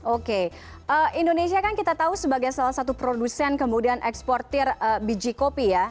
oke indonesia kan kita tahu sebagai salah satu produsen kemudian eksportir biji kopi ya